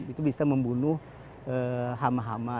itu bisa membunuh hama hama